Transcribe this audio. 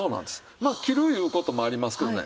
まあ切るいう事もありますけどね